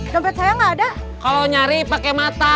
tempat saya enggak ada kau nyari pakai mata